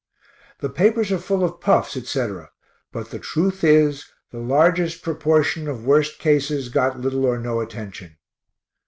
The papers are full of puffs, etc., but the truth is, the largest proportion of worst cases got little or no attention.